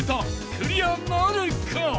クリアなるか？］